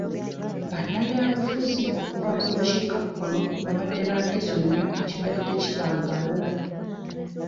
Bannabyabufuzi okuva mu bukiikakkono babadde ba nkizo nnyo ekibadde tekibangawo.